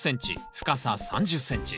深さ３０ｃｍ。